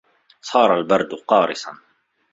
صَارَ الْبَرْدُ قَارِسًا.